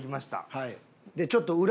はい。